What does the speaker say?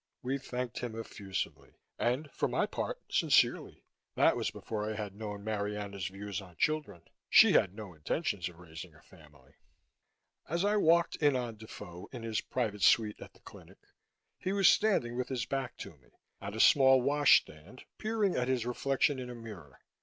We thanked him effusively. And, for my part, sincerely. That was before I had known Marianna's views on children; she had no intentions of raising a family. As I walked in on Defoe in his private suite at the clinic, he was standing with his back to me, at a small washstand, peering at his reflection in a mirror.